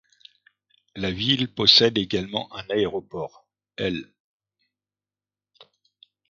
La ville possède également un aéroport, l'